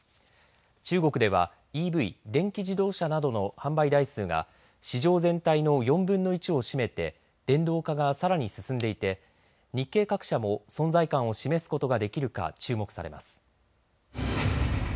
中国ではＥＶ電気自動車などの販売台数が市場全体の４分の１を占めて電動化がさらに進んでいて日系各社も存在感を示すことができるか注目されます。